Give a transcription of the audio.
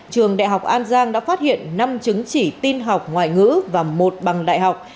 trường đại học an giang đã phát hiện năm chứng chỉ tin học ngoại ngữ và một bằng đại học